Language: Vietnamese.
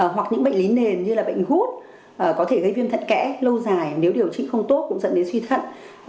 hoặc những bệnh lý nền như là bệnh gút có thể gây viêm thận kẽ lâu dài nếu điều trị không tốt cũng dẫn đến suy thận